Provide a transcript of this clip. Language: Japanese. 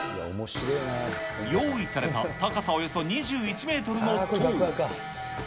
用意された高さおよそ２１メートルの塔。